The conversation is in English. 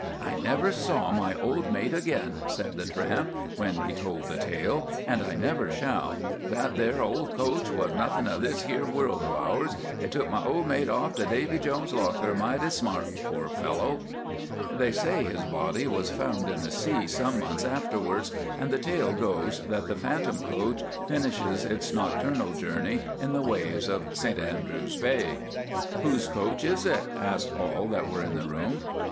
'I never saw my old mate again,' said the tramp, when he told the tale, 'and I never shall—that there old coach was nothing of this here world of ours, it took my old mate off to Davy Jones's locker mighty smart, poor fellow.' "They say his body was found in the sea some months afterwards, and the tale goes that the phantom coach finishes its nocturnal journey in the waves of St Andrews Bay." "Whose coach is it?" asked all that were in the room.